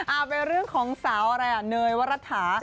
อ่าวไปเรื่องของสาวอะไรเนยวรรษะ